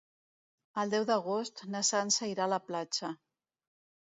El deu d'agost na Sança irà a la platja.